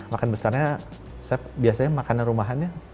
makan besarnya saya biasanya makannya rumahannya